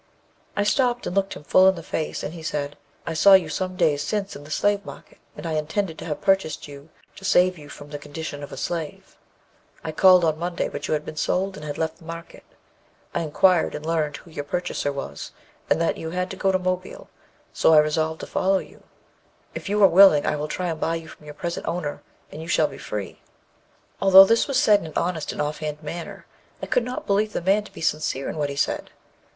I stopped and looked him full in the face, and he said, 'I saw you some days since in the slavemarket, and I intended to have purchased you to save you from the condition of a slave. I called on Monday, but you had been sold and had left the market. I inquired and learned who the purchaser was, and that you had to go to Mobile, so I resolved to follow you. If you are willing I will try and buy you from your present owner, and you shall be free.' Although this was said in an honest and off hand manner, I could not believe the man to be sincere in what he said.